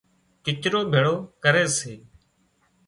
ڪچرو ڀيۯو ڪري سي